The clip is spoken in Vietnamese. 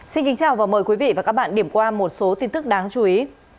xin kính chào và mời quý vị và các bạn điểm qua một số tin tức đáng chú ý